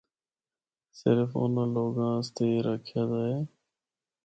صرف اُنّاں لوگاں آسطے اے رکھیا دا اے۔